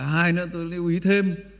và hai nữa tôi lưu ý thêm